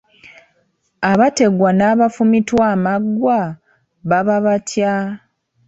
Abategwa n’abafumitwa amaggwa baba batya?